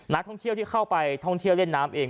นักท่องเที่ยวที่เข้าไปท่องเที่ยวเล่นน้ำเอง